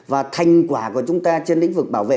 và thành quả của chúng ta trên lĩnh vực bảo vệ